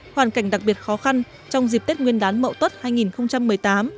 hoàn cảnh đặc biệt khó khăn trong dịp tết nguyên đán mậu tuất hai nghìn một mươi tám